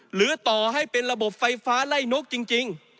หรือต่อให้เป็นระบบไฟฟ้าไล่นกจริง